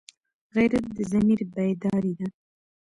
غیرت د ضمیر بیداري ده